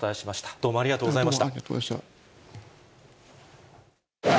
どうもありがとうございまし